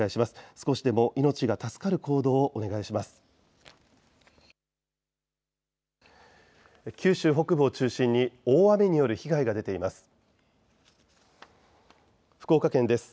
少しでも命が助かる行動をお願いします。